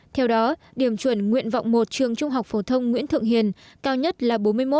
theo đó điểm chuẩn nguyện vọng một trường trung học phổ thông nguyễn thượng hiền cao nhất là bốn mươi một